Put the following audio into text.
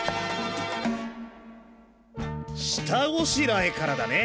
下ごしらえからだね。